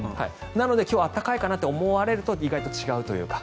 なので今日は暖かいかなと思われると意外と違うというか。